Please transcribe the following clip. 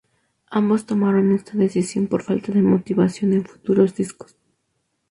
Ambos tomaron esta decisión por falta de motivación en futuros discos.